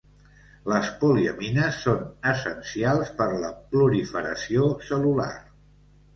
Les poliamines són essencials per la proliferació cel·lular.